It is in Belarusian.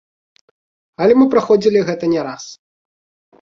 Але мы праходзілі гэта не раз.